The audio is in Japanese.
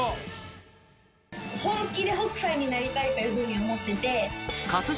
本気で北斎になりたいという風に思っていて。